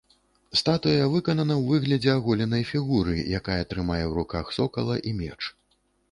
Статуя выканана ў выглядзе аголенай фігуры, якая трымае ў руках сокала і меч.